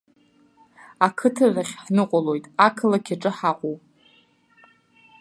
Ақыҭарахь ҳныҟәоит, ақалақь аҿы ҳаҟоуп.